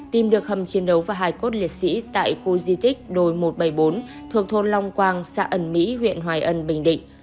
tìm được hầm chiến đấu và hài cốt liệt sĩ tại khu di tích đồi một trăm bảy mươi bốn thuộc thôn long quang xã ẩn mỹ huyện hoài ân bình định